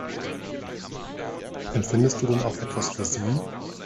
Empfindest du denn auch etwas für sie?